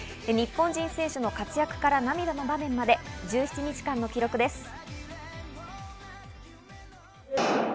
日本人選手の活躍から、涙の場面まで１７日間の記録です。